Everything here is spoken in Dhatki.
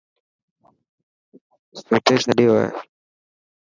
سوچي ڇڏيو هي.